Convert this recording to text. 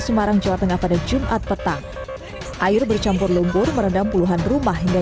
semarang jawa tengah pada jumat petang air bercampur lumpur merendam puluhan rumah hingga